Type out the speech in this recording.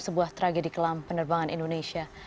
sebuah tragedi kelam penerbangan indonesia